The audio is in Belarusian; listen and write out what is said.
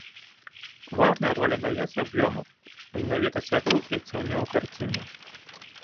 Важная роля надаецца аб'ёму, а менавіта святлу і цяню ў карціне.